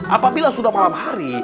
apabila sudah malam hari